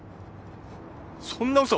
そんな嘘